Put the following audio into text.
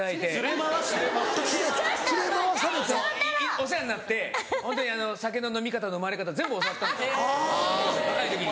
お世話になってホントに酒の飲み方のまれ方全部教わったんです若い時に。